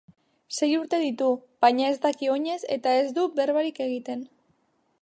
Sei urte ditu baina ez daki oinez eta ez du berbarik egiten.